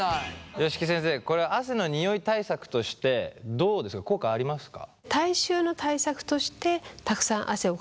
吉木先生これは汗のニオイ対策としてどうですか効果ありますか？